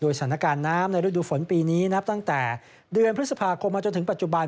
สถานการณ์น้ำในฤดูฝนปีนี้นับตั้งแต่เดือนพฤษภาคมมาจนถึงปัจจุบัน